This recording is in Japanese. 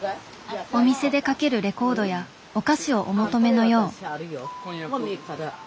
お店でかけるレコードやお菓子をお求めのよう。